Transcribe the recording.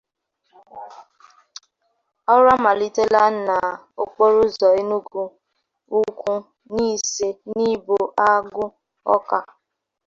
Ọrụ Amalitela n'Okporo Ụzọ Enugwu-Ukwu -Nise—Nibo—Agu Awka